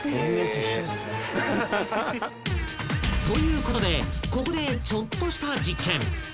［ということでここでちょっとした実験］